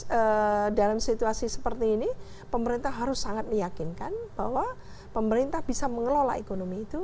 nah dalam situasi seperti ini pemerintah harus sangat meyakinkan bahwa pemerintah bisa mengelola ekonomi itu